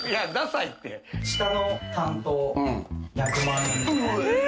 下の短刀、１００万円。